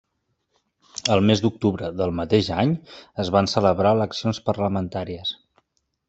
El mes d'octubre del mateix any es van celebrar eleccions parlamentàries.